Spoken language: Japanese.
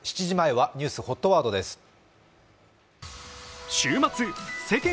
７時前はニュースＨＯＴワードです。